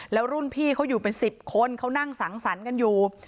แล้วรุ่นพี่เขาอยู่เป็น๑๐คนเขานั่งสังสรรค์กันอยู่